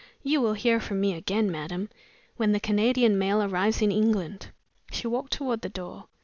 You will hear from me again madam, when the Canadian mail arrives in England." She walked toward the door.